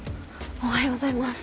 おはようございます。